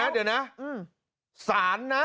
เดี๋ยวนะศาลนะ